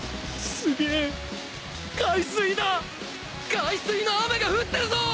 海水の雨が降ってるぞ！